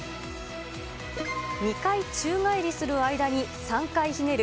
２回宙返りする間に、間に３回ひねる